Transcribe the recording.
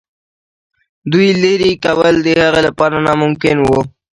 دوی لیري کول د هغه لپاره ناممکن وه.